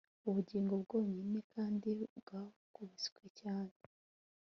Ubugingo bwonyine kandi bwakubiswe cyane